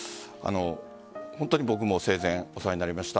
本当に僕も生前お世話になりました。